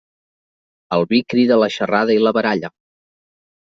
El vi crida la xarrada i la baralla.